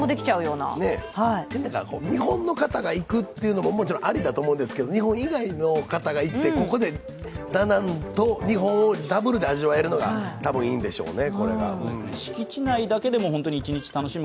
なんだか日本の方が行くというのもありだと思うんですけど、日本以外の方が行ってここでダナンと日本をダブルで味わえるのが多分いいんでしょうね。